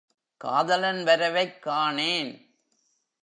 காதலன் வரவைக் காணேன்!